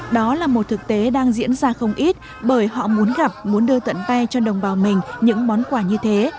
đó là một thực tế đang diễn ra không ít bởi họ muốn gặp muốn đưa tận tay cho đồng bào mình những món quà như thế